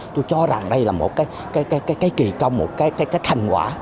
tôi cho rằng đây là một cái kỳ công một cái thành quả